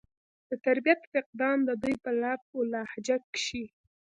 د تربيت فقدان د دوي پۀ لب و لهجه کښې